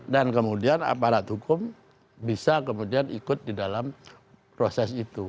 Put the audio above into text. dan kemudian aparat hukum bisa kemudian ikut di dalam proses itu